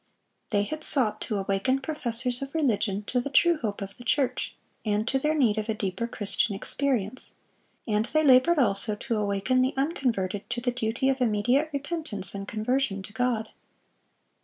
They had sought to awaken professors of religion to the true hope of the church, and to their need of a deeper Christian experience; and they labored also to awaken the unconverted to the duty of immediate repentance and conversion to God.